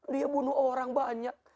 dia bunuh orang banyak